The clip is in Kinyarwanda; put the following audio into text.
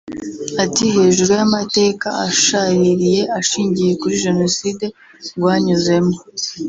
Ati ‘‘Hejuru y’amateka ashaririye ashingiye kuri Jenoside rwanyuzemo